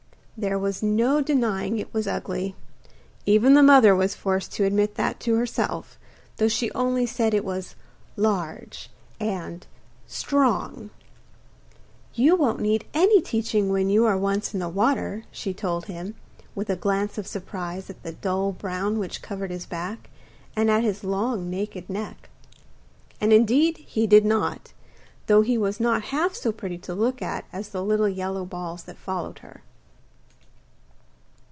There was no denying it was ugly, even the mother was forced to admit that to herself, though she only said it was 'large' and 'strong.' 'You won't need any teaching when you are once in the water,' she told him, with a glance of surprise at the dull brown which covered his back, and at his long naked neck. And indeed he did not, though he was not half so pretty to look at as the little yellow balls that followed her.